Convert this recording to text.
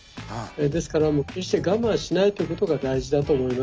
ですから決して我慢しないということが大事だと思います。